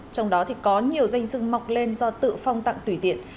trong đó thì có nhiều danh dưng mọc lên do tự phong tặng tùy tiện